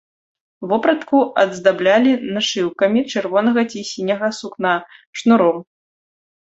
Вопратку аздаблялі нашыўкамі чырвонага ці сіняга сукна, шнуром.